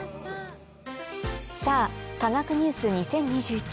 さぁ科学ニュース２０２１